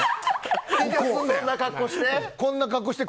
そんな格好して。